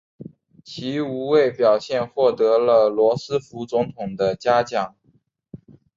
其无畏表现获得了罗斯福总统的嘉奖。